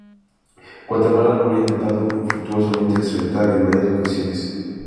Guatemala lo ha intentado infructuosamente extraditar en varias ocasiones.